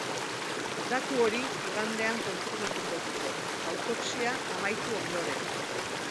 Datu hori igandean konfirmatuko dute, autopsia amaitu ondoren.